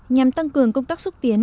nhằm tăng cường công tác xúc tiến